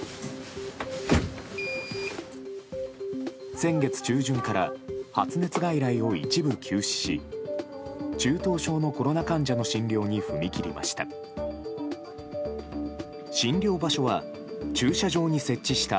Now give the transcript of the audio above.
先月中旬から発熱外来を一部休止し中等症のコロナ患者の診療に踏み切りました。